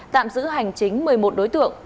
tạm giữ hành chính một mươi một đối tượng